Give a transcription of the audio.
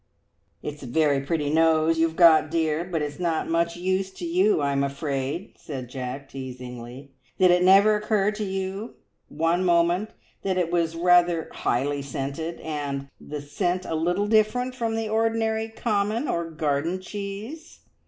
"It's a very pretty nose you've got, dear, but it's not much use to you, I'm afraid," said Jack teasingly. "Did it never occur to you one moment that it was rather highly scented, and the scent a little different from the ordinary common or garden cheese?"